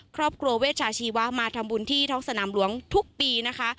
ครอบครัวเวชชาชีวะมาทำบุญที่ท้องสนามหลวงทุกปีนะคะ